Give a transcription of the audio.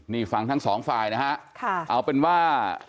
นี่ฟังทั้งสองฝ่ายนะฮะเอาเป็นว่า